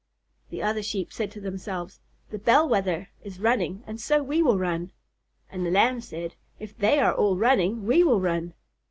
The other Sheep said to themselves, "The Bell Wether is running and so we will run." And the Lambs said, "If they are all running we will run."